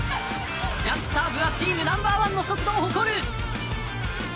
ジャンプサーブはチームナンバーワンの速度を誇る。